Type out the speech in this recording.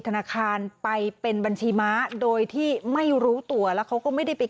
ธนาคารไปเป็นบัญชีม้าโดยที่ไม่รู้ตัวแล้วเขาก็ไม่ได้ไป